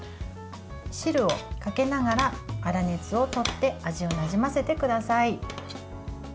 汁をかけながら粗熱をとって味をなじませてください。